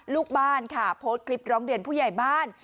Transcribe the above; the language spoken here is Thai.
ลูกบ้านค่ะโพสต์คลิปร้องเรียนผู้ใหญ่บ้าน